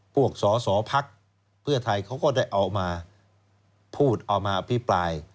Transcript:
สอสอพักเพื่อไทยเขาก็ได้เอามาพูดเอามาอภิปราย